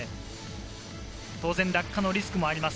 当然、落下のリスクもあります。